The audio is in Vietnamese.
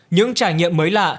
những trải nghiệm mới lạ